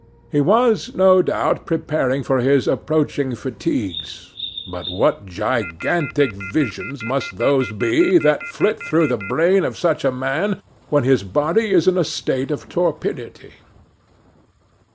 He was, no doubt, preparing for his approaching fatigues; but what gigantic visions must those be that flit through the brain of such a man when his body is in a state of torpidity!